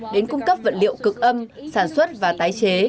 đến cung cấp vật liệu cực âm sản xuất và tái chế